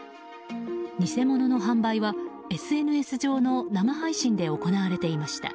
偽物の販売は、ＳＮＳ上の生配信で行われていました。